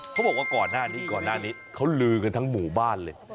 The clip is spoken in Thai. เขาบอกว่าก่อนหน้านี้เขาลืมกันทั้งหมู่บ้านเลย